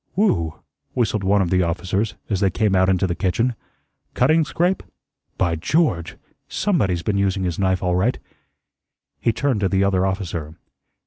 "Whew!" whistled one of the officers as they came out into the kitchen, "cutting scrape? By George! SOMEBODY'S been using his knife all right." He turned to the other officer.